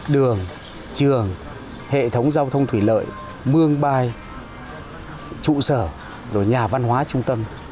đường trường hệ thống giao thông thủy lợi mương bai trụ sở nhà văn hóa trung tâm